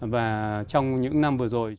và trong những năm vừa rồi